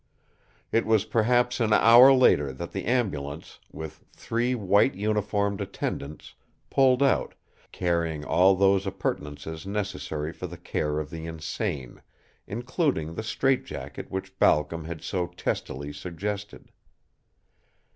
It was perhaps an hour later that the ambulance, with three white uniformed attendants, pulled out, carrying all those appurtenances necessary for the care of the insane, including the strait jacket which Balcom had so testily suggested.